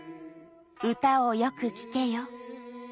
「歌をよく聴けよ」。